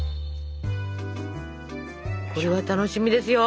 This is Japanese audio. これは楽しみですよ。